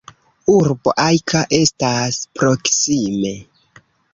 Urbo Ajka estas proksime.